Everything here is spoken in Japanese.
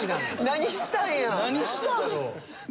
何したんやろ？